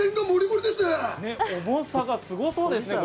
重さがすごそうですね。